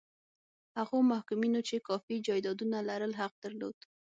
هغو محکومینو چې کافي جایدادونه لرل حق درلود.